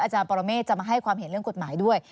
ปรเมฆจะมาให้ความเห็นเรื่องกฎหมายด้วย